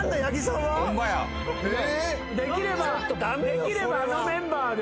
できればあのメンバーでな。